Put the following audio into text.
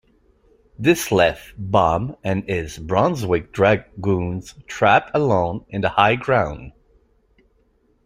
This left Baum and his Brunswick dragoons trapped alone on the high ground.